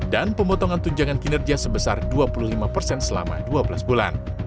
dan pemotongan tunjangan kinerja sebesar dua puluh lima selama dua belas bulan